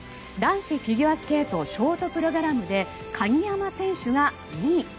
男子フィギュアスケートショートプログラムで鍵山選手が２位。